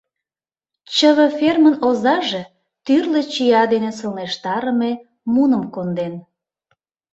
Чыве фермын озаже тӱрлӧ чия дене сылнештарыме муным конден.